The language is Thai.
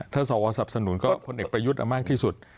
ถ้าสอวสนับสนุนก็แผนเอกประยุทธ์เอาส่วนมากที่สุด